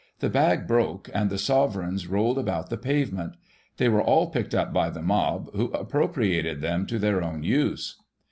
The bag broke, and the sovereigns rolled about the pavement ; they were all picked up by the mob, who appropriated them to their own use.